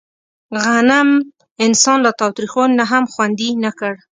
غنم انسان له تاوتریخوالي نه هم خوندي نه کړ.